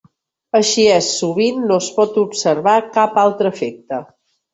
Així és, sovint no es pot observar cap altre efecte.